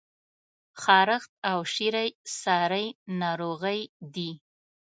خارښت او شری څاری ناروغی دي؟